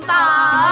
pa udah gabang